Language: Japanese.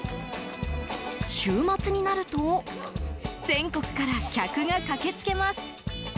週末になると全国から客が駆けつけます。